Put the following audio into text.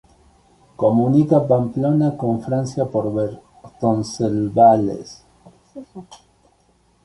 Comunica Pamplona con Francia por Roncesvalles.